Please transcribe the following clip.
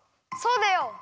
そうだよ。